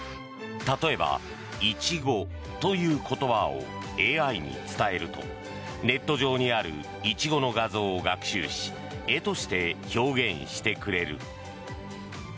例えば、イチゴという言葉をＡＩに伝えるとネット上にあるイチゴの画像を学習し絵として表現してくれる。